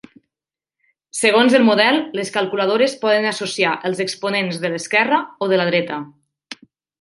Segons el model, les calculadores poden associar els exponents de l'esquerra o de la dreta.